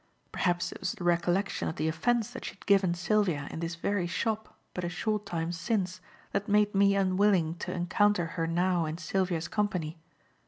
Perhaps it was the recollection of the offence that she had given Sylvia in this very shop, but a short time since, that made me unwilling to encounter her now in Sylvia's company.